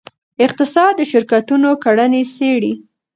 اقتصاد د شرکتونو کړنې څیړي.